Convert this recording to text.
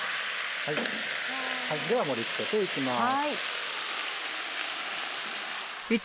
では盛り付けていきます。